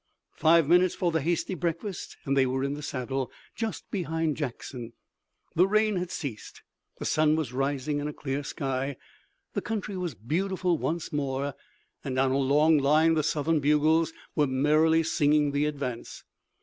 Five minutes for the hasty breakfast and they were in the saddle just behind Jackson. The rain had ceased, the sun was rising in a clear sky, the country was beautiful once more, and down a long line the Southern bugles were merrily singing the advance.